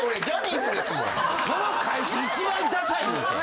その返し一番ダサいって。